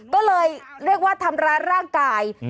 ก็เลยเรียกว่าทำร้ายร่างกาย